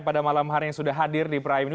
pada malam hari yang sudah hadir di prime news